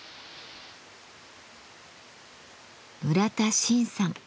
村田森さん。